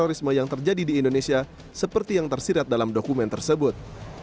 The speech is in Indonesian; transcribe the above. dan itu adalah karisma yang terjadi di indonesia seperti yang tersirat dalam dokumen tersebut